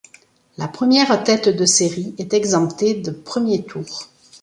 La première tête de série est exemptée de premier tour.